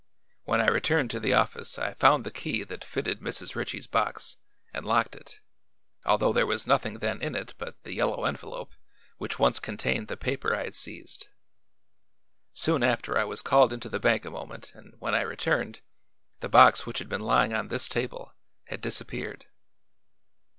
When I returned to the office I found the key that fitted Mrs. Ritchie's box and locked it, although there was nothing then in it but the yellow envelope which once contained the paper I had seized. Soon after I was called into the bank a moment and when I returned, the box which had been lying on this table, had disappeared."